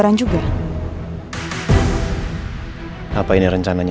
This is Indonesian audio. ren tapi inget ya